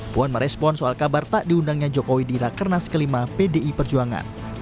puan merespon soal kabar tak diundangnya jokowi di rakernas kelima pdi perjuangan